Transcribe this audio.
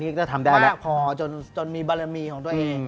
ขวากพอจนมีเบลละมีของตัวเอง